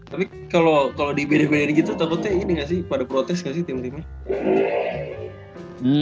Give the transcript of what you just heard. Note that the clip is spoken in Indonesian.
tapi kalo di beda beda gitu takutnya ini gak sih pada protes gak sih tim timnya